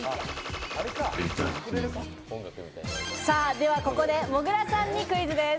ではここで、もぐらさんにクイズです。